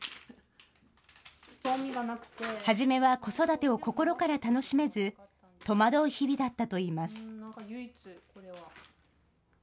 はじめは子育てを心から楽しめず、戸惑う日々だったといいます。